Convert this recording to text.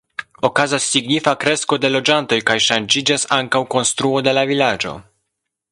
Okazas signifa kresko de loĝantoj kaj ŝanĝiĝas ankaŭ konstruo de la vilaĝo.